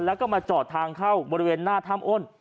แล้วก็มาจอดทางเข้าบริเวณหน้าถ้ำอ้น